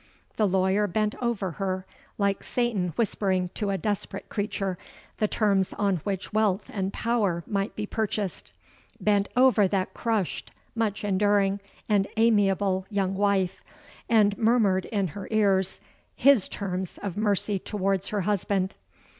The lawyer bent over her, like Satan whispering to a desperate creature the terms on which wealth and power might be purchased,—bent over that crushed, much enduring, and amiable young wife, and murmured in her ears his terms of mercy towards her husband.